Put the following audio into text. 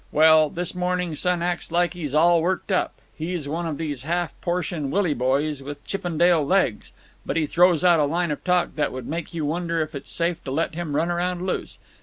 "Well, this morning, son acts like he's all worked up. He's one of these half portion Willie boys with Chippendale legs, but he throws out a line of talk that would make you wonder if it's safe to let him run around loose.